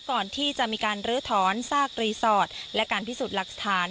ก่อนที่จะมีการลื้อถอนซากรีสอร์ทและการพิสูจน์หลักฐาน